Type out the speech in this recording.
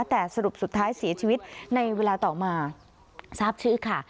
แต่สรุปสุดท้ายเสียชีวิตในเวลาต่อมาทราบชื่อค่ะ